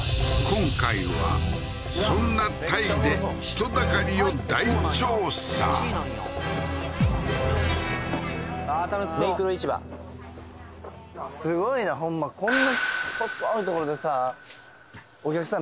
今回はそんなタイで人だかりを大調査メークローン市場すごいなほんまこんな細い所でさお客さん